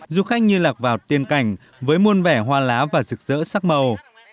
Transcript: du khách như lạc vào tiên cảnh với muôn vẻ hoa lá và rực rỡ sắc màu